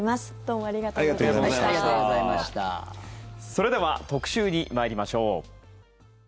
それでは特集に参りましょう。